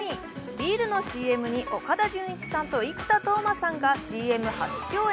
ビールのＣＭに岡田准一さんと生田斗真さんがＣＭ初共演。